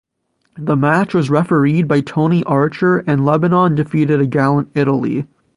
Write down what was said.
The match was refereed by Tony Archer and Lebanon defeated a gallant Italy.